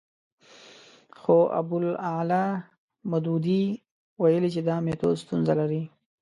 خو ابوالاعلی مودودي ویلي چې دا میتود ستونزه لري.